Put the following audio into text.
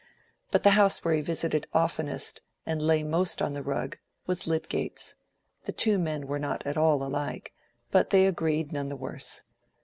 But the house where he visited oftenest and lay most on the rug was Lydgate's. The two men were not at all alike, but they agreed none the worse.